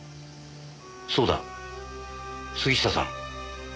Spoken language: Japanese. そうだ杉下さん。